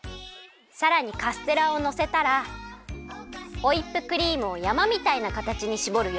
さらにカステラをのせたらホイップクリームをやまみたいなかたちにしぼるよ。